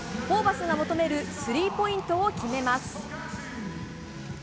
ホーバスが求めるスリーポイントを決めます。